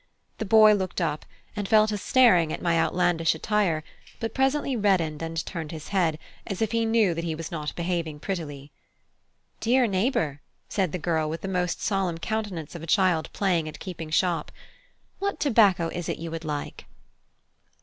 The boy looked up, and fell to staring at my outlandish attire, but presently reddened and turned his head, as if he knew that he was not behaving prettily. "Dear neighbour," said the girl, with the most solemn countenance of a child playing at keeping shop, "what tobacco is it you would like?"